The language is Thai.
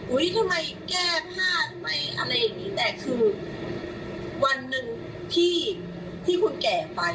ทำไมแก้ผ้าไหมอะไรอย่างนี้แต่คือวันหนึ่งพี่ที่คุณแก่ไป